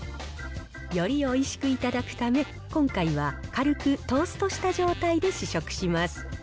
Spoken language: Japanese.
よりおいしく頂くため、今回は軽くトーストした状態で試食します。